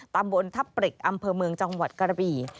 ตำบลทับปริกอำเภอเมืองจังหวัดกระบี่